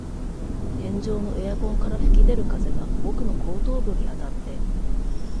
天井のエアコンから吹き出る風が僕の後頭部にあたって、